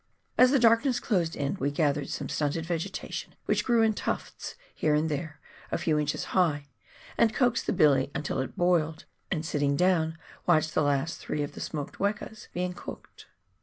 As the darkness closed in, we gathered some stunted vegetation which grew in tufts here and there a few inches high, and coaxed the billy until it boiled, and, sitting down, watched the last three of the smoked wekas being cooked.